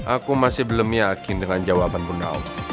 aku masih belum yakin dengan jawaban bu nawang